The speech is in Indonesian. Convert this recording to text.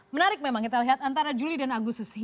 menarik memang kita lihat antara juli dan agusus